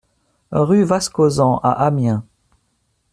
Rue Vascosan à Amiens